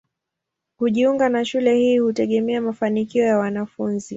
Kujiunga na shule hii hutegemea mafanikio ya mwanafunzi.